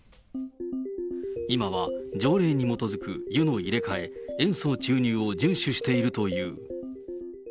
今は条例に基づく湯の入れ替え、塩素注入を順守しているという。